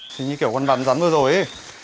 thì như kiểu con vắn rắn vừa rồi ấy